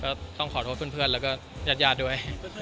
ก็ต้องขอโทษกับเพื่อนแล้วก็ยัดด้วย